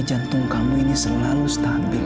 jantung kamu ini selalu stabil